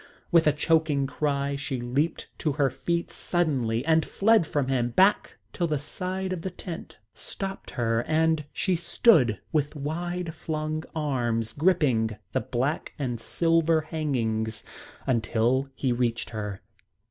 With a choking cry she leaped to her feet suddenly and fled from him, back till the side of the tent stopped her and she stood, with wide flung arms, gripping the black and silver hangings until he reached her.